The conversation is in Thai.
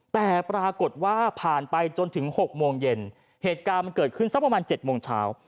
แต่ปรากฏว่าผ่านไปจนถึง๖โมงเย็นเหตุการณ์มันเกิดขึ้นสักประมาณ๗โมงเช้า